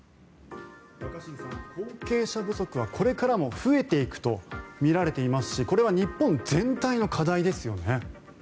若新さん後継者不足は、これからも増えていくとみられていますしこれは日本全体の課題ですよね。